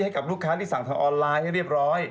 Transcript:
ให้กับลูกค้าที่สั่งทางออนไลน์ให้เรียบร้อย